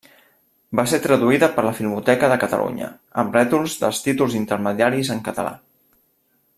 Va ser traduïda per la Filmoteca de Catalunya amb rètols dels títols intermediaris en català.